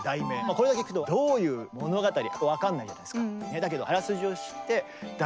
これだけ聞くとどういう物語か分かんないじゃないですか。